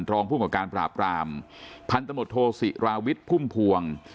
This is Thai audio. รองภูมิกับการปราบรามพันธมตโทศิราวิทย์พุ่มพวง